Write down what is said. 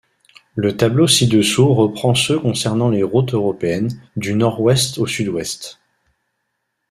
Le tableau ci-dessous reprend ceux concernant les routes européennes, du nord-ouest au sud-est.